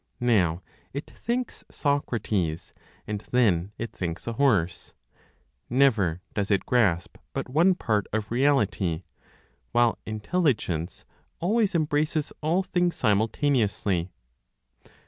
Now it thinks Socrates, and then it thinks a horse; never does it grasp but one part of reality, while intelligence always embraces all things simultaneously.